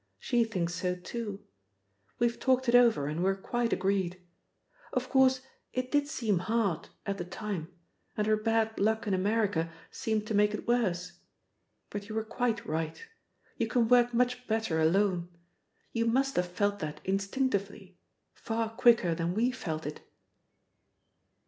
She thinks so too. We've talked it over, and we're quite agreed. Of course it did seem hard at the time, and her bad luck in America seemed to make it worse. But you were quite right. You can work much better alone. You must have felt that instinctively far quicker than we felt it."